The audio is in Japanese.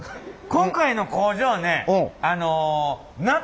今回の工場ね夏。